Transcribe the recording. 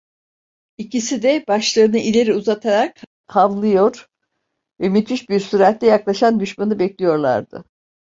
İkisi de başlarını ileri uzatarak havlıyor ve müthiş bir süratle yaklaşan düşmanı bekliyorlardı.